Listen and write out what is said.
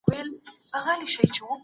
د بازار موندنې ستراتیژي خورا اړینه ده.